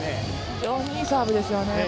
非常にいいサーブですよね。